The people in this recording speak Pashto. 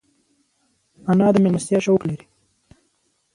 انا د مېلمستیا شوق لري